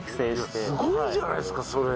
すごいじゃないですかそれ。